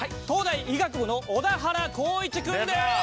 東大医学部の小田原光一君です。